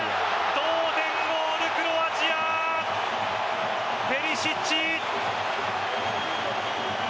同点ゴール、クロアチアペリシッチ！